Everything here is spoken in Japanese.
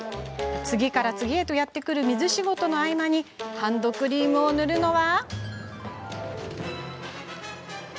次から次へとやってくる水仕事の合間にハンドクリーム塗るのは。